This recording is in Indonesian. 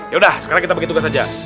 yaudah sekarang kita begitu saja